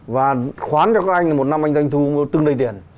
và khoán cho các anh là một năm anh doanh thu từng đầy tiền